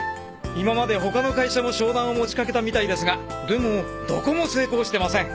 今まで他の会社も商談を持ちかけたみたいですがでもどこも成功してません。